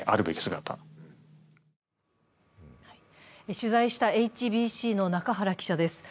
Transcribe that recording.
取材したＨＢＣの中原記者です。